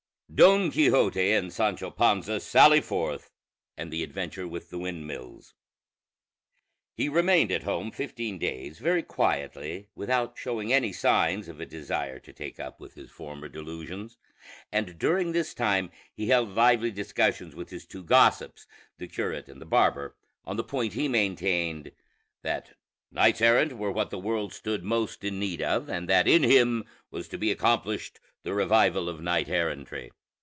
DON QUIXOTE AND SANCHO PANZA SALLY FORTH: AND THE ADVENTURE WITH THE WINDMILLS He remained at home fifteen days very quietly, without showing any signs of a desire to take up with his former delusions; and during this time he held lively discussions with his two gossips, the curate and the barber, on the point he maintained, that knights errant were what the world stood most in need of, and that in him was to be accomplished the revival of knight errantry.